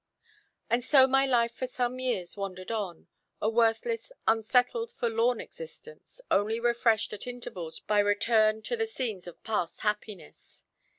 And so my life for some years wandered on, a worthless, unsettled, forlorn existence, only refreshed at intervals by return to the scenes of past happiness.